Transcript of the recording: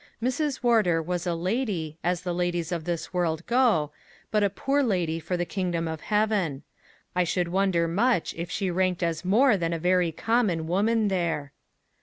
Mrs. Wardour was a lady, as the ladies of this world go, but a poor lady for the kingdom of heaven: I should wonder much if she ranked as more than a very common woman there.